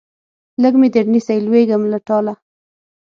لږ مې درنیسئ لوېږم له ټاله